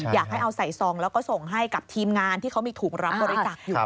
อยากให้เอาใส่ซองแล้วก็ส่งให้กับทีมงานที่เขามีถุงรับบริจักษ์อยู่